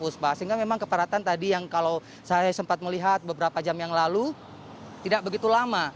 sehingga memang kepadatan tadi yang kalau saya sempat melihat beberapa jam yang lalu tidak begitu lama